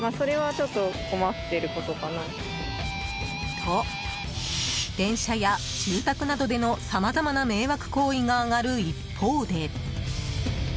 と、電車や住宅などでのさまざまな迷惑行為が上がる一方で。